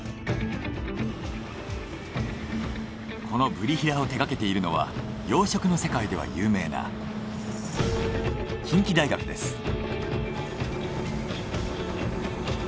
このブリヒラを手がけているのは養殖の世界では有名な近畿大学です。